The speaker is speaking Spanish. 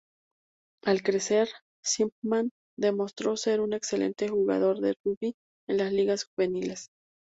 Al crecer, Shipman demostró ser un excelente jugador de rugby en las ligas juveniles.